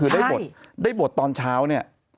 คือได้บทได้บทตอนเช้าเนี่ย